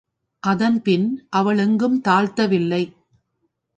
அதன் பின் அவள் எங்கும் தாழ்த்தவில்லை.